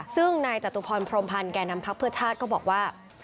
ซึ่งนายจตุพรพรมพันธ์แก่นำพักเพื่อชาติก็บอกว่า